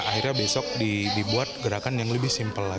akhirnya besok dibuat gerakan yang lebih simpel lagi